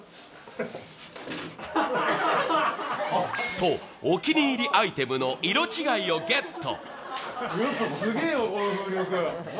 と、お気に入りアイテムの色違いをゲット。